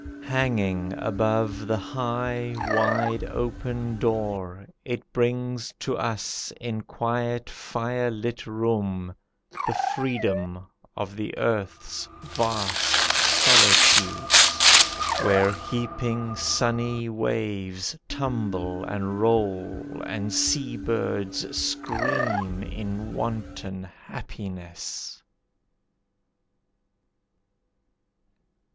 Hanging above the high, wide open door, It brings to us in quiet, firelit room, The freedom of the earth's vast solitudes, Where heaping, sunny waves tumble and roll, And seabirds scream in wanton happiness.